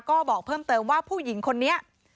ก็บอกเพิ่มเติมว่าผู้หญิงคนนี้